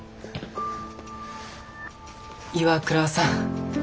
岩倉さん